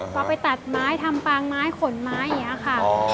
พอไปตัดไม้ทำปางไม้ขนไม้อย่างนี้ค่ะ